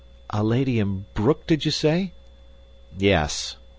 "A lady in Broek, did you say?" "Yes."